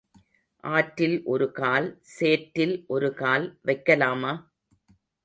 ஆற்றில் ஒரு கால், சேற்றில் ஒரு கால் வைக்கலாமா?